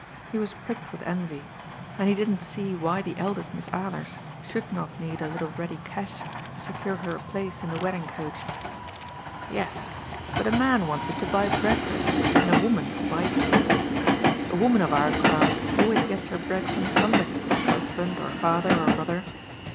He was pricked with envy, and he didn't see why the eldest Miss Alers should not need a little ready cash to secure her a place in the wedding coach. ^^ Yes, but a man wants it to buy bread with, and a woman to buy cake. A woman of our class always gets her bread from somebody, husband or father or brother.